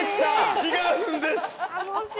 違うんです。